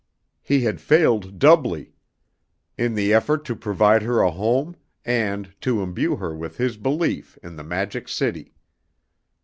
He had failed doubly. In the effort to provide her a home, and to imbue her with his belief in the Magic City.